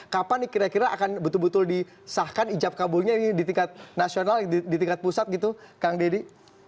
kapan nih kira kira akan betul betul disahkan ijab kabulnya ini di tingkat nasional di tingkat pusat gitu kang deddy